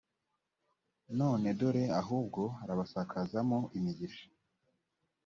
none dore ahubwo urabasakazamo imigisha.